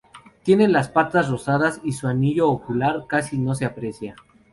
Tienen las patas rosadas y su anillo ocular casi no se aprecia.